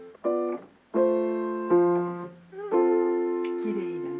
「きれいだな」